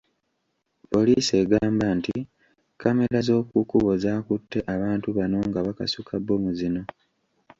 Poliisi egamba nti kkamera z’okukkubo zaakutte abantu bano nga bakasuka bbomu zino.